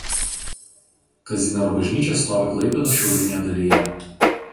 Kazimiero bažnyčia stovi Klaipėdos šiaurinėje dalyje.